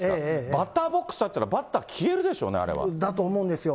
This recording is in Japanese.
バッターボックス立ったら、バッター消えるでしょうね、だと思うんですよ。